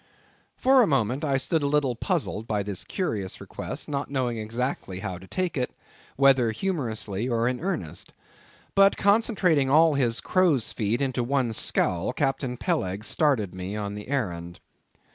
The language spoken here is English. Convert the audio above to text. For a moment I stood a little puzzled by this curious request, not knowing exactly how to take it, whether humorously or in earnest. But concentrating all his crow's feet into one scowl, Captain Peleg started me on the errand.